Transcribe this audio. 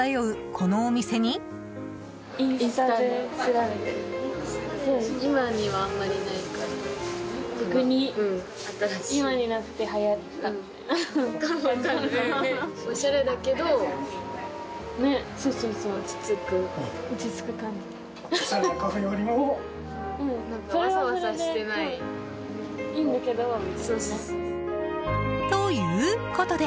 このお店に？ということで